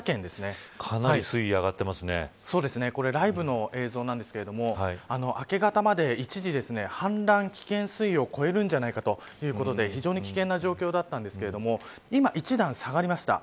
かなり水位がこれライブの映像なんですけれども明け方まで一時氾濫危険水位を超えるんじゃないかということで非常に危険な状況だったんですけど今、１段下がりました。